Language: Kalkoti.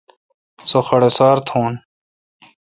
سو خڈوسار تھون۔